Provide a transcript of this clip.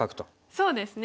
そうですね。